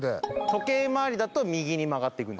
反時計回りだと左に曲がっていく。